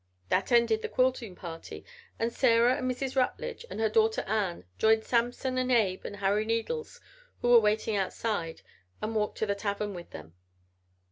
That ended the quilting party and Sarah and Mrs. Rutledge and her daughter Ann joined Samson and Abe and Harry Needles who were waiting outside and walked to the tavern with them.